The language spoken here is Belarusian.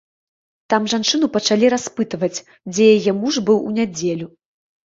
Там жанчыну пачалі распытваць, дзе яе муж быў у нядзелю.